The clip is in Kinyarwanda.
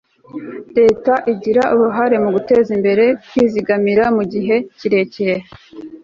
leta igira uruhare mu guteza imbere kwizigamira mu gihe kirekire